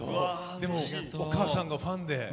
お母さんがファンで。